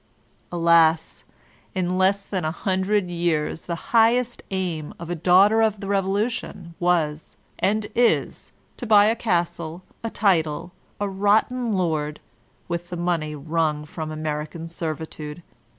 Alas! In less than a hundred years the Anarchism and American Traditions 129 highest aim of a "Daughter of the Revolution" was, and is, to buy a castle, a title, and a rotten lord, with the money wrung from American servitude